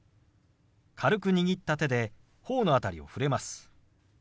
軽く握った手で頬の辺りを触れます。